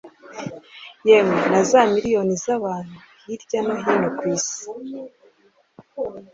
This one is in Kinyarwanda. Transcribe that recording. yemwe na za miliyoni z'abantu hirya no hino ku isi.